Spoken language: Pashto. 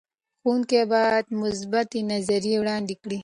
ښوونکي باید مثبتې نظریې وړاندې کړي.